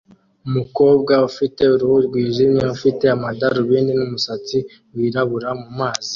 Umukobwa ufite uruhu rwijimye ufite amadarubindi n'umusatsi wirabura mumazi